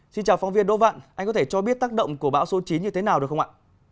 xin chào phóng viên đỗ vạn anh có thể cho biết tác động của bão số chín như thế nào được không ạ